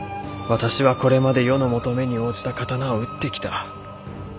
私はこれまで世の求めに応じた刀を打ってきた。